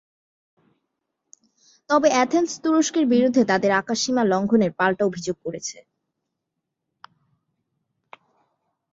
তবে এথেন্স তুরস্কের বিরুদ্ধে তাদের আকাশসীমা লঙ্ঘনের পাল্টা অভিযোগ করেছে।